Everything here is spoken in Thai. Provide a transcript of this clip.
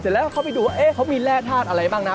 เสร็จแล้วเขาไปดูเขามีแร่ธาตุอะไรบ้างนะ